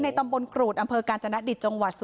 ตำบลกรูดอำเภอกาญจนดิตจังหวัด